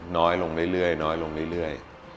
น้อยลงเรื่อยน้อยลงเรื่อย